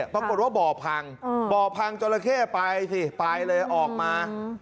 บ่อพังบ่อพังจราเข้ไปสิไปเลยออกมา